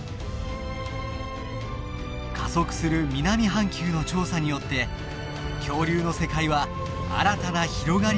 加速する南半球の調査によって恐竜の世界は新たな広がりを見せているのです。